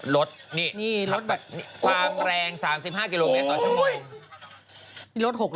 รถนี่รถแบบความแรง๓๕กิโลเมตรต่อชั่วโมง